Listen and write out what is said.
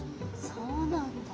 そうなんだ。